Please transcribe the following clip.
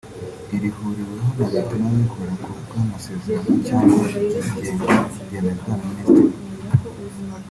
irihuriweho na Leta n’abikorera ku bw’amasezerano cyangwa iryigenga byemezwa na Minisitiri